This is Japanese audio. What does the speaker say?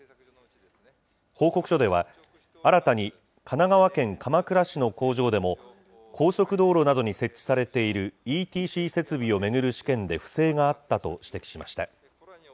報告書では、新たに神奈川県鎌倉市の工場でも、高速道路などに設置されているＥＴＣ設備を巡る試験で不正があったと指摘しました。